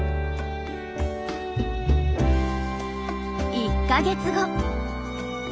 １か月後。